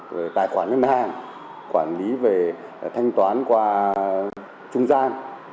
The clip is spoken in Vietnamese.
về tài khoản nhân hàng quản lý về thanh toán qua trung gian